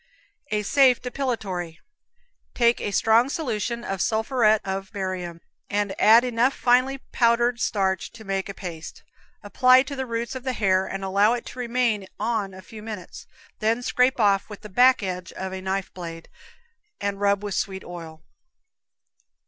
A Safe Depilatory. Take a strong solution of sulphuret of barium, and add enough finely powdered starch to make a paste. Apply to the roots of the hair and allow it to remain on a few minutes, then scrape off with the back edge of a knife blade, and rub with sweet oil.